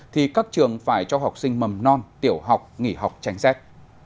thì các trường phải cho học sinh mầm non tiểu học nghỉ học tránh xét